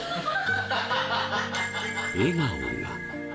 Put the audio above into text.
笑顔が。